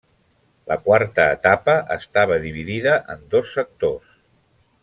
La quarta etapa estava dividida en dos sectors.